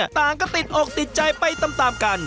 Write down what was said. ต่างก็ติดอกติดใจไปตามกัน